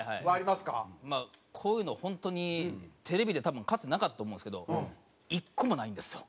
まあこういうの本当にテレビで多分かつてなかったと思うんですけど１個もないんですよ